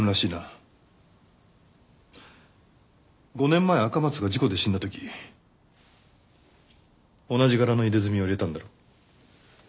５年前赤松が事故で死んだ時同じ柄の入れ墨を入れたんだろ。